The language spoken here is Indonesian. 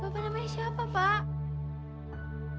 bapak namanya siapa pak